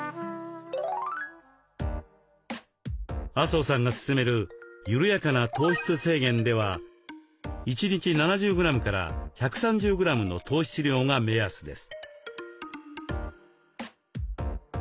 麻生さんが勧める「ゆるやかな糖質制限」では１日７０グラムから１３０グラムの糖質量が目安です。